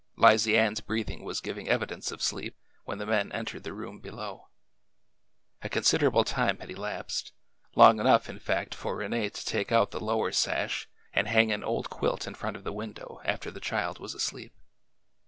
Lizy Ann's breathing was giving evidence of sleep when the men entered the room below. A considerable time had elapsed — long enough, in fact, for Rene to take out the lower sash and hang an old quilt in front of the window after the child was asleep.